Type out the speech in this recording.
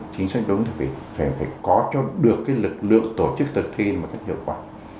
chính sách đúng thì phải có được lực lượng tổ chức thực thi một cách hiệu quả